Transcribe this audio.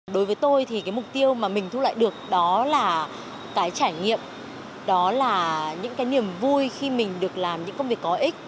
đối với tôi thì cái mục tiêu mà mình thu lại được đó là cái trải nghiệm đó là những cái niềm vui khi mình được làm những công việc có ích